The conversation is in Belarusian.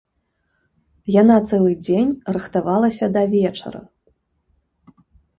Яна цэлы дзень рыхтавалася да вечара.